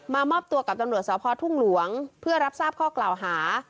มอบตัวกับตำรวจสพทุ่งหลวงเพื่อรับทราบข้อกล่าวหา